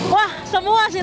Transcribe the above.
wah semua sih